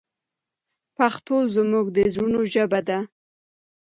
پښتو زموږ د زړونو ژبه ده.